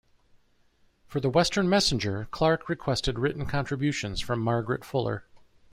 For the "Western Messenger", Clarke requested written contributions from Margaret Fuller.